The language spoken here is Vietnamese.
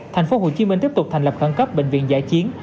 tp hcm tiếp tục thành lập khẳng cấp bệnh viện giải chiến